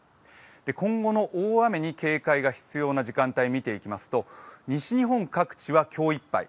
今後の大雨に警戒が必要な時間帯見ていきますと西日本各地は今日いっぱい。